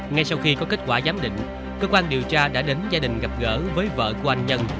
ngay sau khi có kết quả giám định cơ quan điều tra đã đến gia đình gặp gỡ với vợ của anh nhân